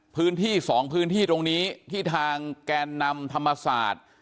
พื้นที่๒พื้นที่ตรงนี้ที่ทางแกนนำธรรมศาสตร์